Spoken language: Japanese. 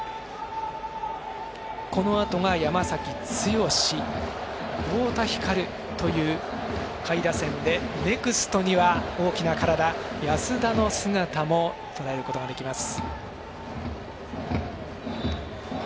このあとが山崎剛、太田光という下位打線でネクストには、大きな体安田の姿もとらえることができます。